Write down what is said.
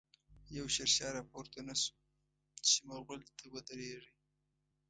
يو” شير شاه “راپورته نه شو، چی ” مغل” ته ودريږی